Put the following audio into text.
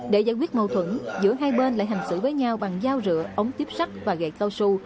để giải quyết mâu thuẫn giữa hai bên lại hành xử với nhau bằng dao rửa ống tiếp sắt và gạt cao su